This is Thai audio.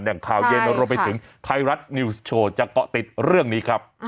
่งข่าวเย็นรวมไปถึงไทยรัฐนิวส์โชว์จะเกาะติดเรื่องนี้ครับ